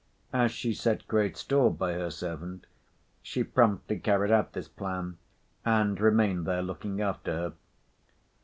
As she set great store by her servant, she promptly carried out this plan and remained there looking after her.